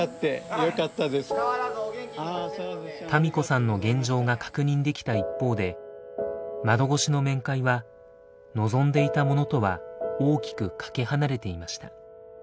多美子さんの現状が確認できた一方で窓越しの面会は望んでいたものとは大きくかけ離れていました。